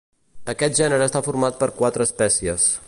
Aquest gènere està format per quatre espècies.